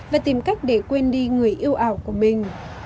và tìm cách để quên đi người yêu ảo của mình